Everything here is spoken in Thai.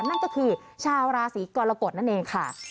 นั่นก็คือชาวราศีกรกฎนั่นเองค่ะ